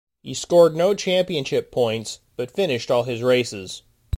He scored no championship points, but finished all his races.